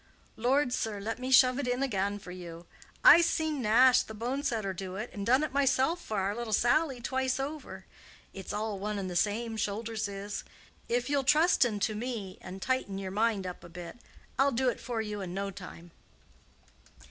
"Lord, sir, let me shove it in again for you! I's seen Nash, the bone setter, do it, and done it myself for our little Sally twice over. It's all one and the same, shoulders is. If you'll trusten to me and tighten your mind up a bit, I'll do it for you in no time."